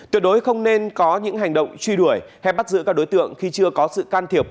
tuyệt đối không nên có những hành động truy đuổi hay bắt giữ các đối tượng khi chưa có sự can thiệp